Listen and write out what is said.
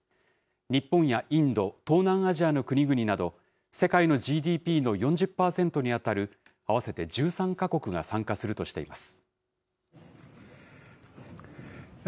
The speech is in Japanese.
日本やインド、東南アジアの国々など、世界のＧＤＰの４０％に当たる合わせて１３か国が参加するとしています。